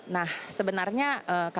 nah sebenarnya kami juga